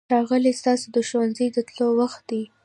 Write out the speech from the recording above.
ښاغلیه! ستاسو د ښوونځي د تلو وخت دی.